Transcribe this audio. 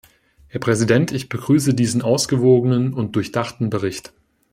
Herr Präsident, ich begrüße diesen ausgewogenen und durchdachten Bericht.